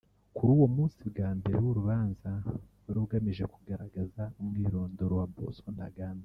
kuri uwo munsi wa mbere w’urubanza wari ugamije kugaragaza umwirindoro wa Bosco Ntaganda